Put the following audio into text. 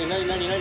何？